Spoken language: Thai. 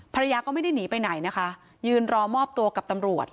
ภรรยาก็ไม่ได้หนีไปไหนนะคะยืนรอมอบตัวกับตำรวจ